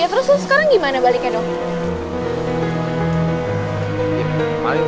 ya terus lo sekarang gimana baliknya dong